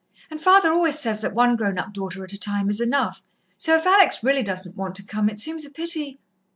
And father always says that one grown up daughter at a time is enough, so if Alex really doesn't want to come it seems a pity...."